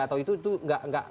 atau itu itu nggak